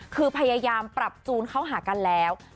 คือพยายามปรับจูนเข้าหากันแล้ว